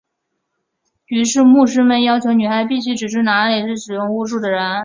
于是牧师们要求女孩必须指出哪些是使用巫术的人。